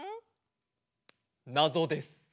なぞです。